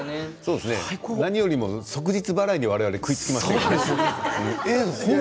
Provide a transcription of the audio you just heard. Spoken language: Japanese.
何より、即日払いに我々食いつきました。